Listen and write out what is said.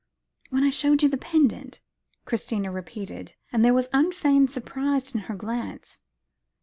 "When I showed you the pendant?" Christina repeated, and there was unfeigned surprise in her glance.